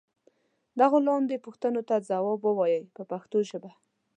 دغو لاندې پوښتنو ته ځواب و وایئ په پښتو ژبه.